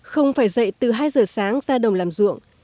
không phải dậy từ hai giờ sáng ra đồng làm ruộng